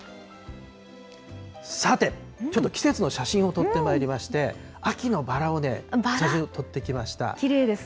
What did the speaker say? さて、ちょっと季節の写真を撮ってまいりまして、秋のバラをね、写真撮ってきました。